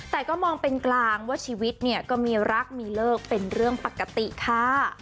แต่ก็มองเป็นกลางว่าชีวิตเนี่ยก็มีรักมีเลิกเป็นเรื่องปกติค่ะ